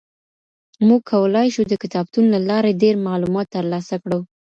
موږ کولای شو د کتابتون له لاري ډېر معلومات ترلاسه کړو.